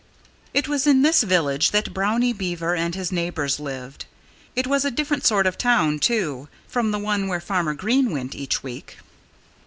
It was in this village that Brownie Beaver and his neighbors lived. It was a different sort of town, too, from the one where Farmer Green went each week.